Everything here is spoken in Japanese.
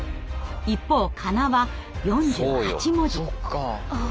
一方かなは４８文字。